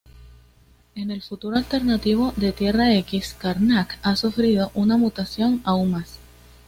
En el futuro alternativo de Tierra X, Karnak ha sufrido una mutación aún más.